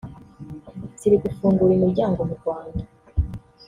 ziri gufungura imiryango mu Rwanda